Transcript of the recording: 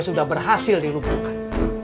sudah berhasil dilumpukan